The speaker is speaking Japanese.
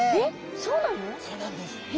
そうなんです。